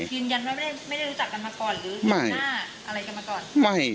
ยืนยันว่าไม่ได้รู้จักกันมาก่อนหรือเห็นหน้าอะไรกันมาก่อน